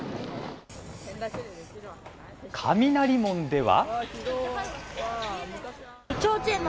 雷門では。